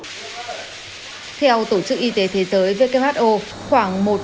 theo tổ chức y tế thế giới who